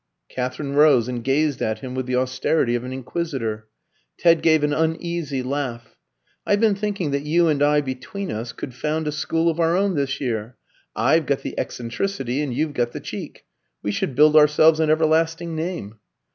Katherine rose and gazed at him with the austerity of an inquisitor. Ted gave an uneasy laugh. "I've been thinking that you and I between us could found a school of our own this year. I've got the eccentricity, and you've got the cheek. We should build ourselves an everlasting name."